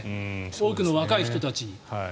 多くの若い人たちに。